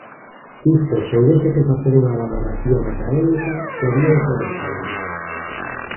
Isto, se houbese que facer unha valoración académica, sería un sobresaínte.